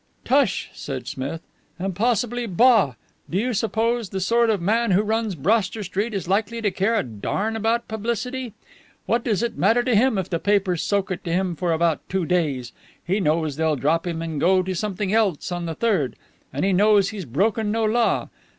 "Tush!" said Smith. "And possibly bah! Do you suppose that the sort of man who runs Broster Street is likely to care a darn about publicity? What does it matter to him if the papers soak it to him for about two days? He knows they'll drop him and go on to something else on the third, and he knows he's broken no law.